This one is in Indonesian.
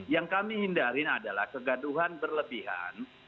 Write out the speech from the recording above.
yang kami hindari adalah kegaduhan berlebihan